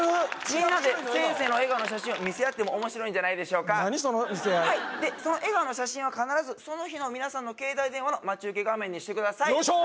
みんなで先生の笑顔の写真を見せ合っても面白いんじゃ何その見せ合いはいその笑顔の写真は必ずその日の皆さんの携帯電話の待ち受け画面にしてくださいよいしょ！